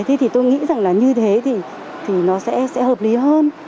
thế thì tôi nghĩ rằng là như thế thì nó sẽ hợp lý hơn